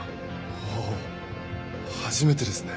はあ初めてですね